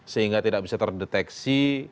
sehingga tidak bisa terdeteksi